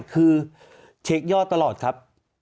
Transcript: คือเช็คยอดตลอดครับ